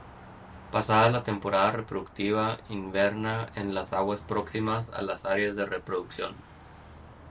Pasada la temporada reproductiva, inverna en las aguas próximas a las áreas de reproducción.